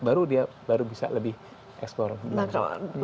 baru dia bisa lebih eksplorasi